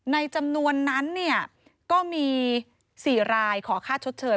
ในจำนวนนั้นก็มี๔รายขอค่าชดเชย